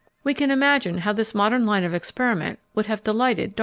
We can imagine how this modern line of experiment would have delighted Darwin.